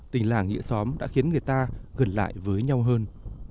tình làng nghĩa xóm đã khiến người ta gần lại với nhau hơn